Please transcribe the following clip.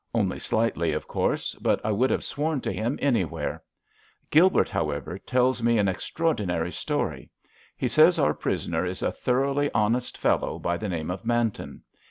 Only slightly, of course, but I would have sworn to him anywhere. Gilbert, however, tells me an extraordinary story. He says our prisoner is a thoroughly honest fellow, by the name of Manton.